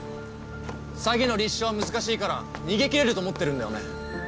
詐欺の立証は難しいから逃げ切れると思ってるんだよね？